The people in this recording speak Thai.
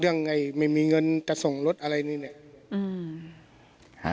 ยังไงไม่มีเงินจะส่งรถอะไรนี่เนี่ย